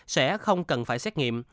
sẽ không cần phải xét nghiệm